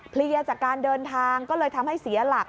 เลียจากการเดินทางก็เลยทำให้เสียหลัก